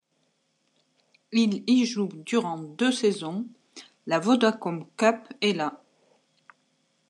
Il y joue durant deux saisons la Vodacom Cup, et la '.